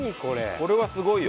これはすごいよ。